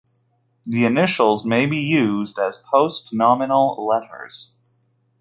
The initials may be used as post-nominal letters.